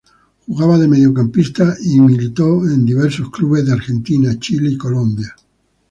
Jugaba de mediocampista y militó en diversos clubes de Argentina, Chile y Colombia.